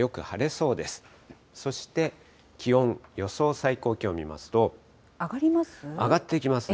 そして気温、予想最高気温見ます上がります？